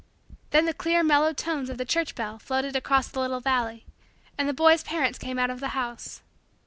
Then the clear, mellow, tones of the church bell floated across the little valley and the boy's parents came out of the house.